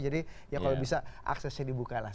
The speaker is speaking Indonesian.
jadi ya kalau bisa aksesnya dibuka lah